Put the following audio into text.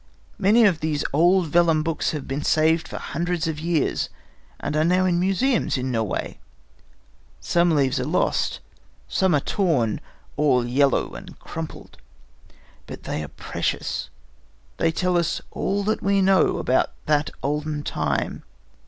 Many of these old vellum books have been saved for hundreds of years, and are now in museums in Norway. Some leaves are lost, some are torn, all are yellow and crumpled. But they are precious. They tell us all that we know about that olden time.